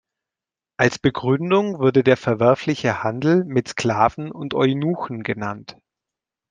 Als Begründung wurde der verwerfliche Handel mit Sklaven und Eunuchen genannt.